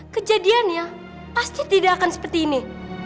kejadiannya pasti tidak akan seperti ini